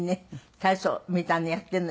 体操みたいなのやってるのよ。